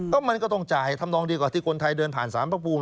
ก็มันก็ต้องจ่ายทำนองดีกว่าที่คนไทยเดินผ่านสารพระภูมิ